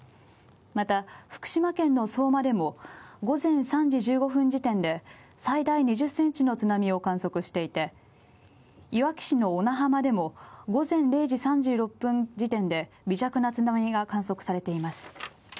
また、福島県の相馬でも午前３時１５分時点で最大２０センチの津波を観測していて、いわき市の小名浜でも午前０時３６分時点で微弱な津波が観測されています。